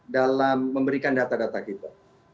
dalam memberikan data data kita